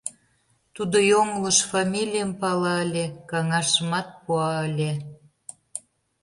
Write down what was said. Тудо йоҥылыш фамилийым пала ыле, каҥашымат пуа ыле.